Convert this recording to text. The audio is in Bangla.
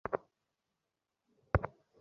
আমি ব্যুককে আবারও একটা প্রশ্ন করি।